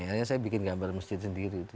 akhirnya saya bikin gambar masjid sendiri itu